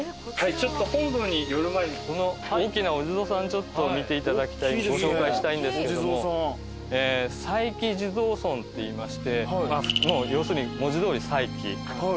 本堂に寄る前にこの大きなお地蔵さんちょっと見ていただきたいご紹介したいんですけども再起地蔵尊っていいましてもう要するに文字通り再起いろんなその。